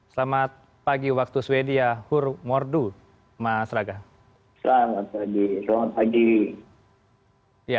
selamat pagi waktu sweden hur mordu masyarakat